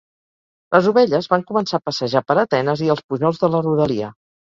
Les ovelles van començar a passejar per Atenes i els pujols de la rodalia.